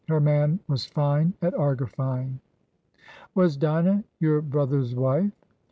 her man was fine at argifying." "Was Dinah your brother's wife?"